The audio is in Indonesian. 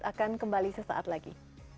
akan kembali sesaat lagi